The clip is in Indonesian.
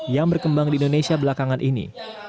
yang berkembang di indonesia belakangan ini